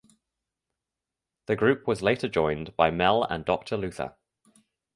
The group was later joined by Mel and Doctor Luther.